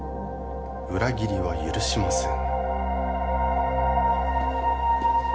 裏切りは許しません